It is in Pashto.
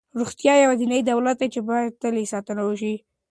روغتیا یوازینی دولت دی چې باید تل یې ساتنه وشي.